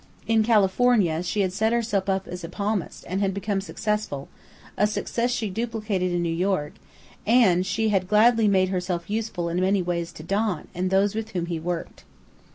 In California she had set herself up as a palmist and had become successful, a success she duplicated in New York; and she had gladly made herself useful in many ways to "Don" and those with whom he "worked."